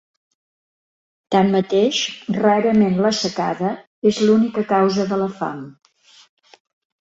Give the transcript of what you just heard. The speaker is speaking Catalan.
Tanmateix rarament la secada és l'única causa de la fam.